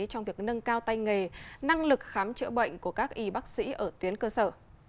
trong việc nâng cao tay nghề năng lực khám chữa bệnh của các y bác sĩ ở tuyến cơ sở